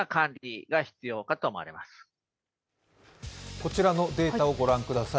こちらのデータをご覧ください。